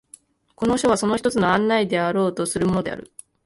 この書はその一つの案内であろうとするものである。